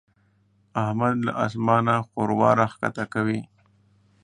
احمد له اسمانه ښوروا راکښته کوي.